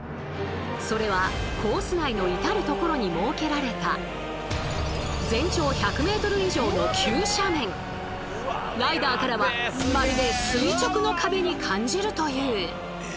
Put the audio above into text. それはコース内の至る所に設けられたライダーからはまるで垂直の壁に感じるという。